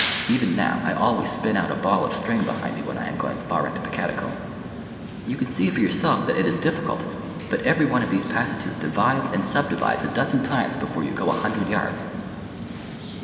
Even now I always spin out a ball of string behind me when I am going far into the catacomb. You can see for yourself that it is difficult, but every one of these passages divides and subdivides a dozen times before you go a hundred yards."